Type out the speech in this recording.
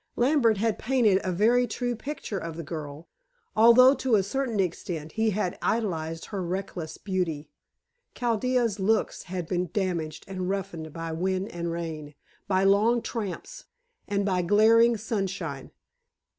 Lambert had painted a very true picture of the girl, although to a certain extent he had idealized her reckless beauty. Chaldea's looks had been damaged and roughened by wind and rain, by long tramps, and by glaring sunshine.